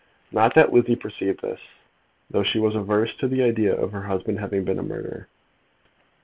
Not that Lizzie perceived this, though she was averse to the idea of her husband having been a murderer.